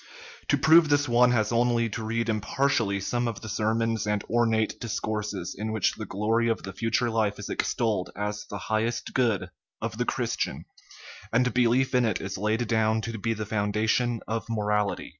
To prove this one has only to read impartially some of the sermons and ornate dis courses in which the glory of the future life is extolled 196 THE IMMORTALITY OF THE SOUL as the highest good of the Christian, and belief in it is laid down to be the foundation of morality.